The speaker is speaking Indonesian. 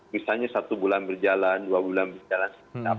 misalnya satu bulan berjalan dua bulan berjalan